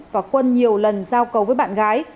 và quân nhiều lần giao cầu với bạn gái